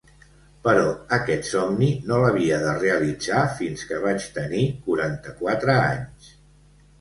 Però aquest somni no l’havia de realitzar fins que vaig tenir quaranta-quatre anys.